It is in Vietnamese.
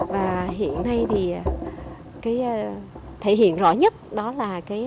và hiện nay thì thể hiện rõ nhất đó là đời